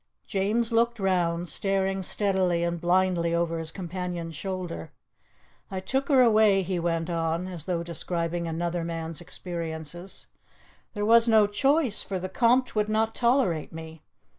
James looked round, staring steadily and blindly over his companion's shoulder. "I took her away," he went on, as though describing another man's experiences; "there was no choice, for the Conte would not tolerate me.